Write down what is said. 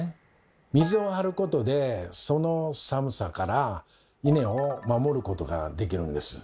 水を張ることでその寒さからイネを守ることができるんです。